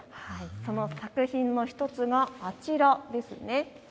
その作品の１つがあちらですね。